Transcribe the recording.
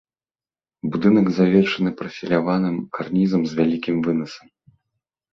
Будынак завершаны прафіляваным карнізам з вялікім вынасам.